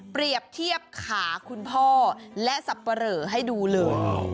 เปรียบเทียบขาคุณพ่อและสับปะเหลอให้ดูเลย